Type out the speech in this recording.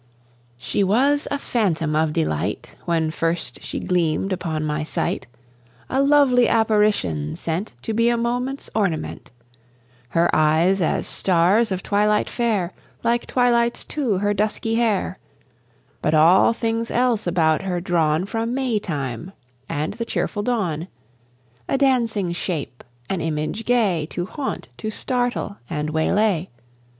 She was a Phantom of delight When first she gleamed upon my sight; A lovely Apparition, sent To be a moment's ornament; Her eyes as stars of Twilight fair; Like Twilight's, too, her dusky hair: But all things else about her drawn From May time and the cheerful Dawn. A dancing Shape, an Image gay, To haunt, to startle, and waylay.